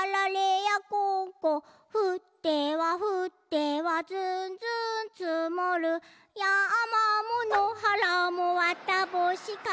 「ふってはふってはずんずんつもる」「やまものはらもわたぼうしかぶり」